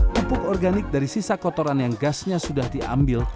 pupuk organik dari sisa kotoran yang gasnya sudah diambil